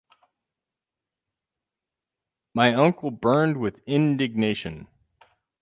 My uncle burned with indignation.